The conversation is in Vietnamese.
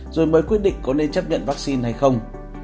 rồi mới quyết định có nên chấp nhận vaccine hay không